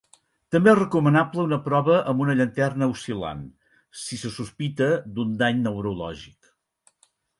També és recomanable una prova amb una llanterna oscil·lant si se sospita d'un dany neurològic.